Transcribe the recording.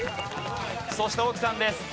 そして大木さんです。